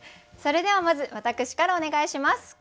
それではまず私からお願いします。